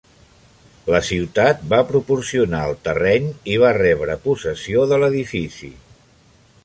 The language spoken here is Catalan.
La ciutat va proporcionar el terreny i va rebre possessió de l'edifici.